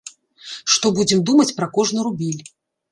Што будзем думаць пра кожны рубель.